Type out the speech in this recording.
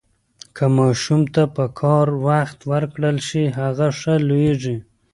که ماشوم ته پکار وخت ورکړل شي، هغه ښه لوییږي.